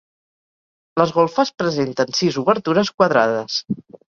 Les golfes presenten sis obertures quadrades.